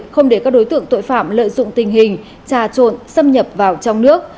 không để các đối tượng tội phạm lợi dụng tình hình trà trộn xâm nhập vào trong nước